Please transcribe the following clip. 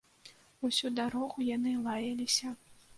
Усю дарогу яны лаяліся.